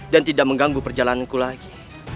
dan tidak mengganggu perjalananku lagi